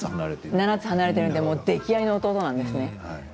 ７つ離れているので溺愛の弟なんですね。